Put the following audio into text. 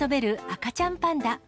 赤ちゃんパンダ。